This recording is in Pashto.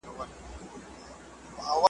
هم په اوړي هم په ژمي به ناورین وو .